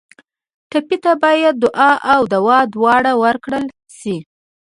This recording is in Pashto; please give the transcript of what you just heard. ټپي ته باید دعا او دوا دواړه ورکړل شي.